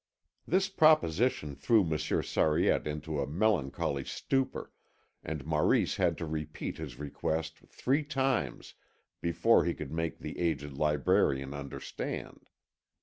This proposition threw Monsieur Sariette into a melancholy stupor, and Maurice had to repeat his request three times before he could make the aged librarian understand.